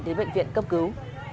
đến bệnh viện cấp cứu